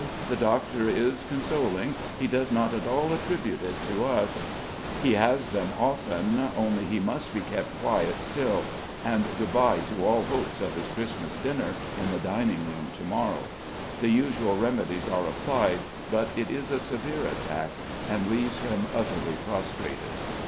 the doctor is consoling; he does not at all attribute it to us; he has them often, only he must be kept quite still; and goodbye to all hopes of his Christmas dinner in the dining room to morrow. The usual remedies are applied, but it is a severe attack, and leaves him utterly prostrated.